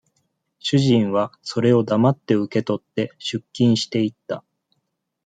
主人は、それを黙って受け取って、出勤して行った。